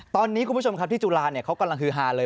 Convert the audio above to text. ตอนนี้คุณผู้ชมครับที่จุฬาเขากำลังฮือฮาเลย